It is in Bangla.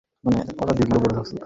আমি এই মুহূর্তে সব তথ্য চাই।